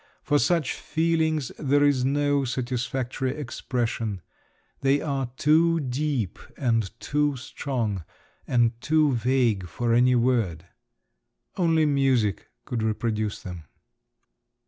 For such feelings there is no satisfactory expression; they are too deep and too strong and too vague for any word. Only music could reproduce them.